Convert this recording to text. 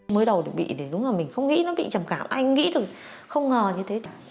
mới đầu thì bị mình không nghĩ nó bị trầm cảm ai nghĩ được không ngờ như thế